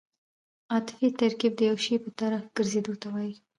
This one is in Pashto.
عطفي ترکیب د یو شي په طرف ګرځېدو ته وایي.